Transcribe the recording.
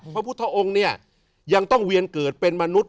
พระพุทธองค์เนี่ยยังต้องเวียนเกิดเป็นมนุษย